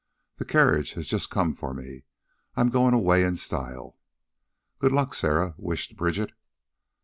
The carriage has just come for me. I'm goin' away in style." "Good luck, Sarah," wished Bridget.